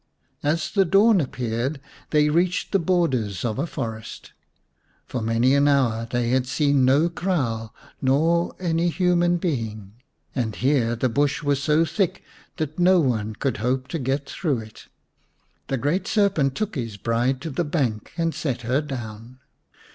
As the dawn appeared they reached the borders of a forest. For many an hour they had seen no kraal nor any human being, and here the bush was so thick that no one could 91 The Serpent's Bride vm hope to get through it. The great serpent took his bride to the bank and set her down.